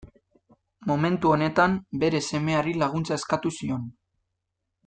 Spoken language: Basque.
Momentu honetan, bere semeari laguntza eskatu zion.